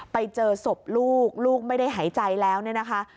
ไปเจอศพลูกลูกไม่ได้หายใจแล้วเนี่ยนะคะ